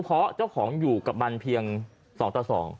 เพราะเจ้าของอยู่กับมันเพียง๒ต่อ๒